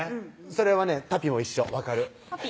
それはねたピも一緒分かるたピ？